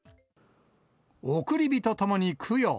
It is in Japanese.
送り火とともに供養。